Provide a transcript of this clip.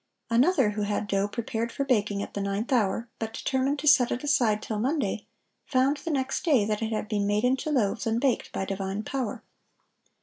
Another who had dough prepared for baking at the ninth hour, but determined to set it aside till Monday, found, the next day, that it had been made into loaves and baked by divine power.